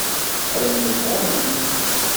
Ayen nebɣu neg-it.